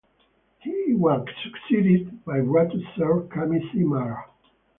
He was succeeded by Ratu Sir Kamisese Mara.